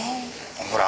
ほら。